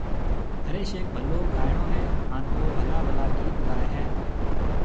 هريش هيَڪ ڀلو گائيڻو هيَ هانَ او ڀلا ڀلا گِيت گائي هيَ۔